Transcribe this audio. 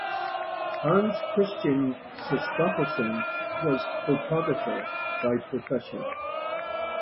Hans Christian Christoffersen was photographer by profession.